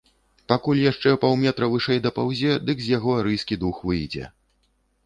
Пакуль яшчэ паўметра вышэй дапаўзе, дык з яго арыйскі дух выйдзе.